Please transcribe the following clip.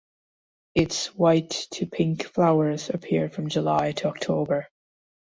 Its white to pink flowers appear from July to October.